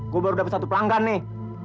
gue baru dapat satu pelanggan nih